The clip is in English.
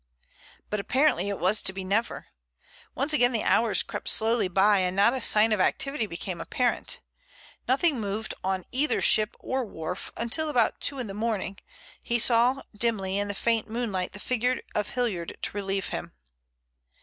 But apparently it was to be never. Once again the hours crept slowly by and not a sign of activity became apparent. Nothing moved on either ship or wharf, until about two in the morning he saw dimly in the faint moonlight the figure of Hilliard to relieve him.